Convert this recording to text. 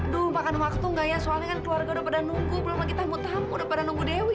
dulu makan waktu enggak ya soalnya keluarga udah pada nunggu belum lagi tamu tamu pada nunggu dewi